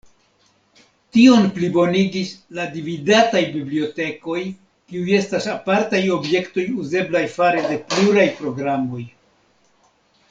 Tion plibonigis la "dividataj" bibliotekoj, kiuj estas apartaj objektoj uzeblaj fare de pluraj programoj.